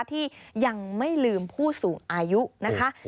ที่ยังไม่ลืมผู้สูงอายุนะคะ